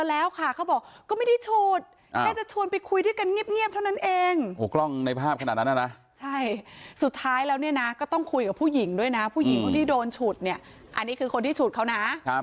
อันนี้คือคนที่ฉุดเขานะ